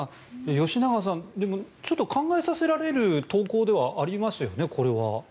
吉永さん、でもちょっと考えさせられる投稿ではありますよね。